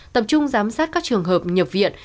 tập trung giám sát các trường hợp nhập viện